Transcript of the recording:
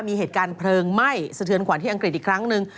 มีเหตุการณ์เพลิงไหม้สะเทือนขวัญที่อังกฤษอีกครั้งหนึ่ง